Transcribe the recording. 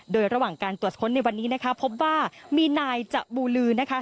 โดยระหว่างการตรวจค้นในวันนี้นะคะพบว่ามีนายจะบูลือนะคะ